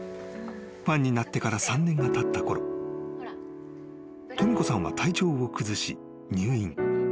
［ファンになってから３年がたったころとみ子さんは体調を崩し入院］